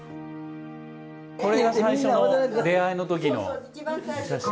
これが最初の出会いの時のお写真？